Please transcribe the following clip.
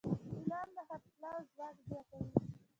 اعلان د خرڅلاو ځواک زیاتوي.